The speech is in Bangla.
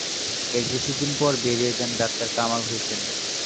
এর কিছুদিন পর বেরিয়ে যান ডাক্তার কামাল হোসেন।